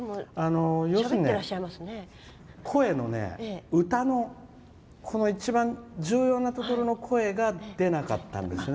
要するにね、声の歌の一番重要なところの声が出なかったんですね。